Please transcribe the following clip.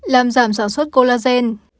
làm giảm sản xuất collagen